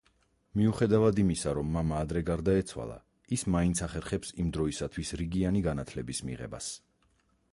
მიუხედავად იმისა, რომ მამა ადრე გარდაეცვალა, ის მაინც ახერხებს იმ დროისათვის რიგიანი განათლების მიღებას.